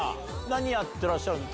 何やってらっしゃるの？